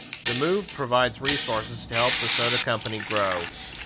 The move provides resources to help the soda company grow.